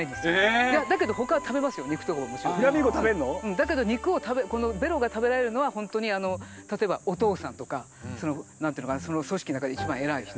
フラミンゴ食べるの？だけどこのベロが食べられるのは本当に例えばお父さんとか何て言うのかなその組織の中で一番偉い人。